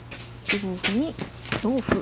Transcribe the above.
１五歩に同歩。